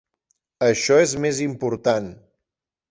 Això és més important.